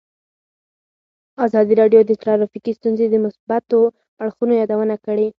ازادي راډیو د ټرافیکي ستونزې د مثبتو اړخونو یادونه کړې.